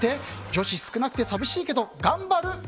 女子少なくて寂しいけど頑張る。